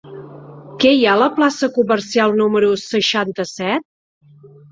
Què hi ha a la plaça Comercial número seixanta-set?